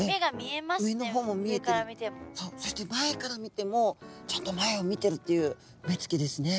そして前から見てもちゃんと前を見てるという目つきですね。